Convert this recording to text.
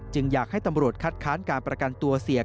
อยากให้ตำรวจคัดค้านการประกันตัวเสีย